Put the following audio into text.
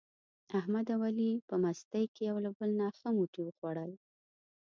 احمد او علي په مستۍ کې یو له بل نه ښه موټي و خوړل.